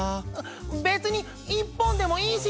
別に１本でもいいしん！